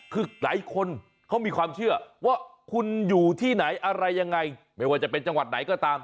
คือหลายคนเขามีความเชื่อว่าคุณอยู่ที่ไหนอะไรยังไงไม่ว่าจะเป็นจังหวัดไหนก็ตาม